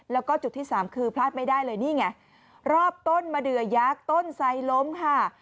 แล้วก็จุดที่สามคือพลาดไม่ได้เลยนี่ไงรอบต้นมะเดือยักษ์ต้นไซล้มค่ะ